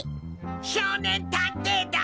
少年探偵団。